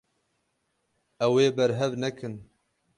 Ew ê berhev nekin.